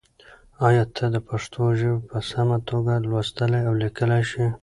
ایا ته پښتو ژبه په سمه توګه لوستلی او لیکلی شې؟